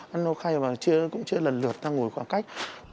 ăn theo khay mà cũng chia lần lượt ra ngồi khoảng cách